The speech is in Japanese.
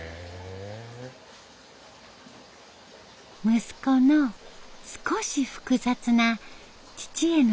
息子の少し複雑な父へのリスペクト。